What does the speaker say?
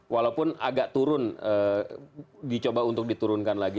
walaupun agak turun dicoba untuk diturunkan lagi